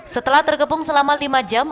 setelah terkepung selama lima jam